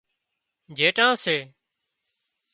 جيٽان سي